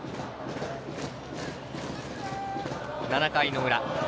７回の裏。